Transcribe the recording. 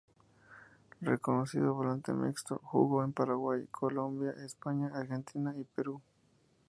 Reconocido volante mixto, jugó en Paraguay, Colombia, España, Argentina y Perú.